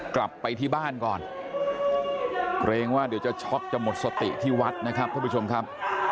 กลับไปที่บ้านก่อนเกรงว่าเดี๋ยวจะช็อกจะหมดสติที่วัดนะครับท่านผู้ชมครับ